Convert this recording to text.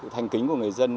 thành kính của người dân